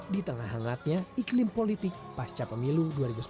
di tengah hangatnya iklim politik pasca pemilu dua ribu sembilan belas